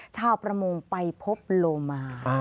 ชาวประมงไปพบโลมา